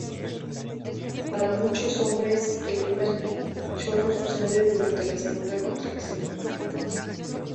Para muchos hombres, el primer chorro sucede durante la segunda contracción.